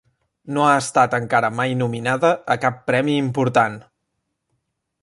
No ha estat encara mai nominada a cap premi important.